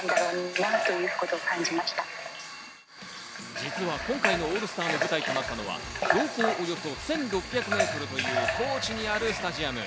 実は今回のオールスターの舞台となったのは標高およそ１６００ｍという高地にあるスタジアム。